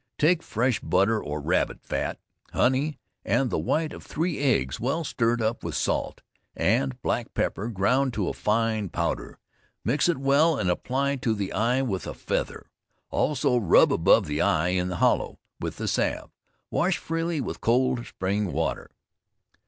Take fresh butter or rabbit's fat, honey, and the white of three eggs, well stirred up with salt, and black pepper ground to a fine powder; mix it well and apply to the eye with a feather. Also rub above the eye (in the hollow,) with the salve. Wash freely with cold spring water.